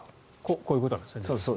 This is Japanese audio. こういうことなんですねデーブさん。